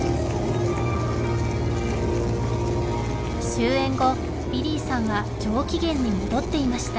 終演後ビリーさんは上機嫌に戻っていました